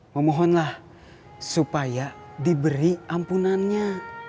memohonlah supaya diberi ampunannya